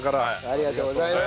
ありがとうございます。